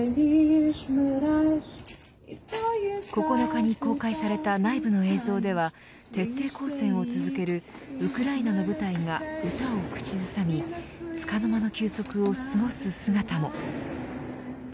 ９日に公開された内部の映像では徹底抗戦を続けるウクライナの部隊が歌を口ずさみつかの間の休息を過ごす姿も。